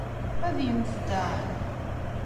Ad yemmet Dan?